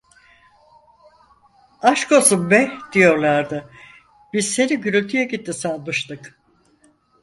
"Aşkolsun be" diyorlardı, "biz seni gürültüye gitti sanmıştık…"